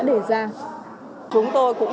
để ra chúng tôi cũng